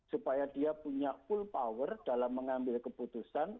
supaya dia punya full power dalam mengambil keputusan